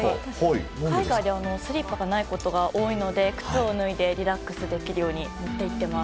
海外ではスリッパがないことが多いので靴を脱いでリラックスできるよう持って行っています。